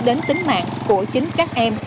đến tính mạng của chính các em